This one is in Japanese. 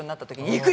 行く！